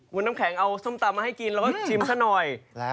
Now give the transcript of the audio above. คุณน้ำแข็งเอาส้มตำมาให้กินแล้วก็ชิมซะหน่อย